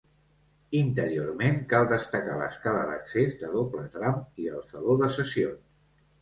Interiorment cal destacar l'escala d'accés de doble tram i el saló de sessions.